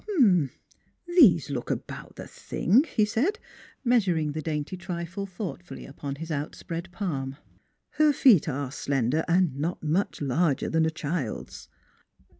" These look about the thing," he said, meas uring the dainty trifle thoughtfully upon his out spread palm. " Her feet are slender and not much larger than a child's.